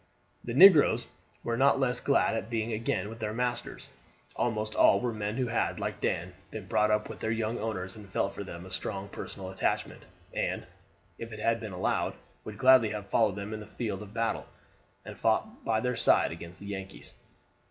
The negroes were not less glad at being again with their masters. Almost all were men who had, like Dan, been brought up with their young owners, and felt for them a strong personal attachment, and, if it had been allowed, would gladly have followed them in the field of battle, and fought by their side against the "Yankees."